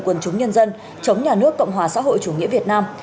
quần chúng nhân dân chống nhà nước cộng hòa xã hội chủ nghĩa việt nam